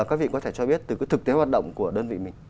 các vị có thể cho biết từ cái thực tế hoạt động của đơn vị mình